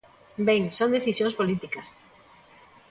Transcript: Ben, son decisións políticas.